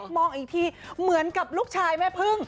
มองอีกทีเหมือนกับลูกชายแม่พึ่ง